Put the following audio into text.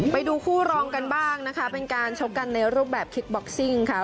ไปดูคู่รองกันบ้างนะคะเป็นการชกกันในรูปแบบคิกบ็อกซิ่งค่ะ